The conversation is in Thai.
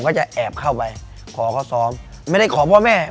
ก็จะแอบเข้าไปขอเขาซ้อมไม่ได้ขอพ่อแม่